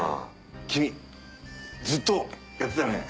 君ずっとやってたね。